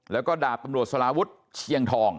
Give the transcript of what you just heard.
แล้วก็ดาบตำรวจสลาวุฒิเชียงทอง